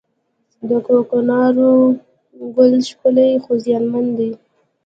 د کوکنارو ګل ښکلی خو زیانمن دی